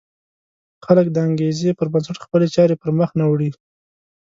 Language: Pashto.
خلک د انګېزې پر بنسټ خپلې چارې پر مخ نه وړي.